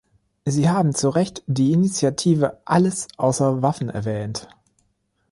Sie haben zu Recht die Initiative "Alles außer Waffen" erwähnt.